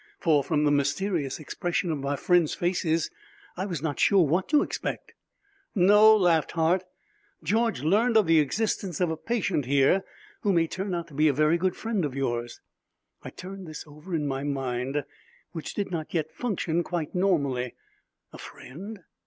For, from the mysterious expression of my friends' faces, I was not sure what to expect. "No," laughed Hart. "George learned of the existence of a patient here who may turn out to be a very good friend of yours." I turned this over in my mind, which did not yet function quite normally. A friend?